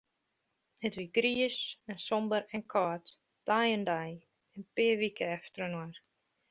It wie griis en somber en kâld, dei oan dei, in pear wike efterinoar.